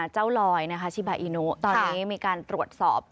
ลอยชิบาอิโนตอนนี้มีการตรวจสอบ